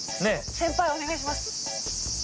先輩お願いします。